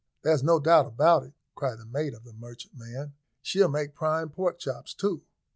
"There's no doubt about it," cried the mate of the merchantman. "She'll make prime pork chops too."